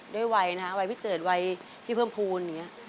ด้วยวัยนะฮะวัยพี่เจิดวัยพี่เพิ่มภูมิอย่างนี้